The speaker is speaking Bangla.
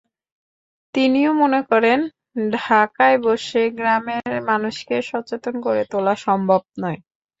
তিনিও মনে করেন, ঢাকায় বসে গ্রামের মানুষকে সচেতন করে তোলা সম্ভব নয়।